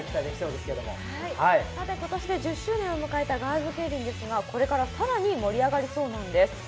今年で１０周年を迎えたガールズケイリンですが、これからさらに盛り上がりそうなんです。